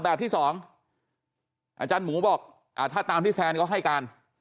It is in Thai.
แบบที่สองอาจารย์หมูบอกถ้าตามที่แซนเขาให้การ